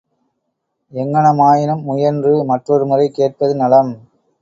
எங்ஙனமாயினும் முயன்று மற்றொருமுறை கேட்பது நலம்.